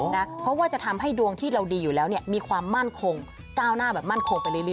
เพราะว่าจะทำให้ดวงที่เราดีอยู่แล้วมีความมั่นคงก้าวหน้าแบบมั่นคงไปเรื่อย